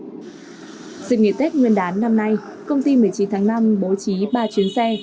dịch nghị tết nguyên đán năm nay công ty một mươi chín tháng năm bố trí ba chuyến xe